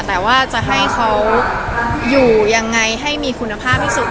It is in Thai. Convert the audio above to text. แต่ว่าจะให้เขาอยู่ยังไงให้มีคุณภาพที่สุด